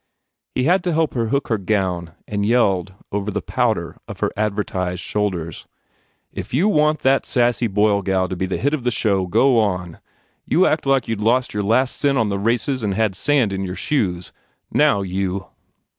He had to help hook her gown and yelled over the powder of her advertised shoulders, "If you want that sassy Boyle gal to be the hit of the show, go on! You act like you d lost your last cent on the races and had sand in your shoes. Now, you!"